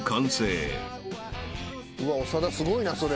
長田すごいなそれ。